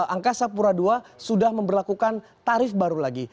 angka sapura ii sudah memperlakukan tarif baru lagi